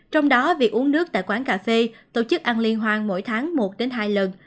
trong đó việc uống nước tại quán cà phê tổ chức ăn liên hoan mỗi tháng một đến hai lần